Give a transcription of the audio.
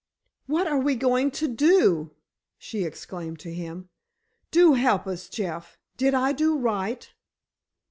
"What are we going to do?" she exclaimed to him. "Do help us, Jeff. Did I do right?"